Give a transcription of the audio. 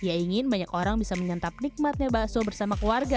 ia ingin banyak orang bisa menyantap nikmatnya bakso bersama keluarga